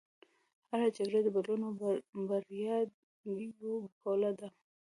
هره جګړه د بدلون او بربادیو پوله ده.